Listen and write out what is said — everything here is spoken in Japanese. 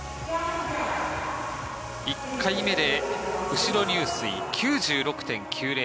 １回目で後ろ入水９６．９０。